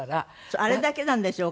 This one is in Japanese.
あれだけなんですよ